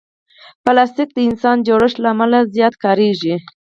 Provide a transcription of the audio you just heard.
پلاستيک د اسانه جوړښت له امله زیات کارېږي.